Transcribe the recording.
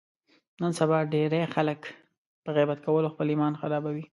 نن سبا ډېری خلک په غیبت کولو خپل ایمان خرابوي.